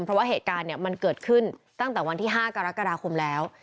เพราะว่าเหตุการณ์มันเกิดขึ้นตั้งแต่วันที่๕กรกฎาคมแล้ว